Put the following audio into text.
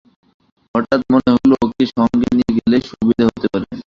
হঠাৎ মনে হল ওকে সঙ্গে নিয়ে গেলেই সুবিধা হতে পারে।